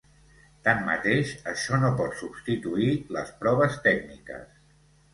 Tanmateix això no pot substituir les proves tècniques.